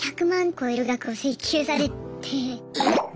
超える額を請求されて。